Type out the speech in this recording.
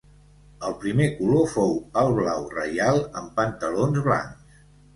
El primer color fou el blau reial amb pantalons blancs.